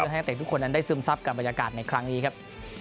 เพื่อให้ทุกคนยังได้ซึมซับกลับบรรยากาศในครั้งนี้ครับ